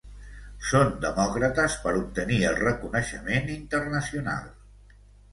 Són demòcrates per obtenir el reconeixement internacional.